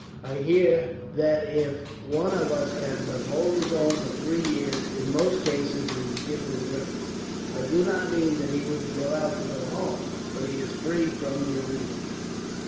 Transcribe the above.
I hear that if one of us can but hold his own for three years, in most cases he is given his liberty. I do not mean that he would be allowed to go home, but he is free from the arena."